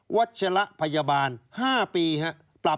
ัชละพยาบาล๕ปีครับ